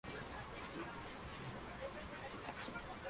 Es la típica adolescente rebelde y desenfrenada.